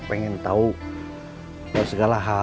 pengen tau segala hal